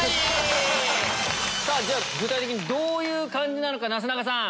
具体的にどういう感じなのかなすなかさん